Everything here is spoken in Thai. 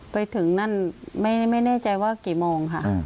ไปถึงนั่นไม่แน่ใจว่ากี่โมงค่ะ